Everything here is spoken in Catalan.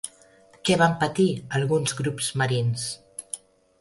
Què van patir alguns grups marins?